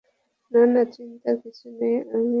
না, না, চিন্তার কিছু নেই, আমি ভিডিও করছি না।